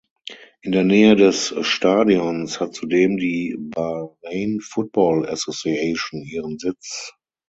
In der Nähe des Stadions hat zudem die Bahrain Football Association ihren Sitz.